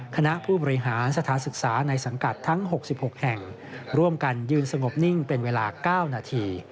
คณะผู้บริหารสถานศึกษาในสังกัดทั้ง๖๖แห่งร่วมกันยืนสงบนิ่งเป็นเวลา๙นาที